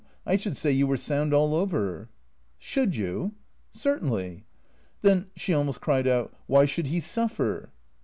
I should say you were sound all over." '' Should you? "« Certainly." "Then" (she almost cried it) "why should he suffer?"